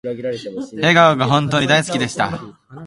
笑顔が本当に大好きでした